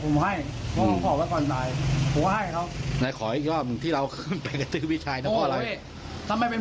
โมโหเรื่องอะไร